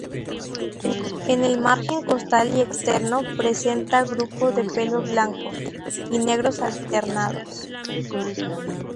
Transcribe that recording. En el margen costal y externo presenta grupo de pelos blancos y negros alternados.